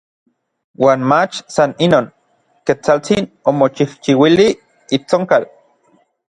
Uan mach san inon, Ketsaltsin omochijchiuili itsonkal.